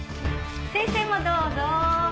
先生もどうぞ。